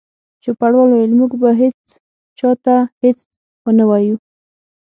چوپړوال وویل: موږ به هیڅ چا ته هیڅ ونه وایو.